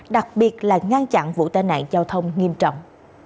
đặc biệt là ngăn chặn vụ tai nạn giao thông nghiêm trọng